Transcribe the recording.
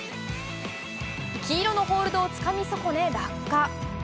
黄色のホールドをつかみ損ね、落下。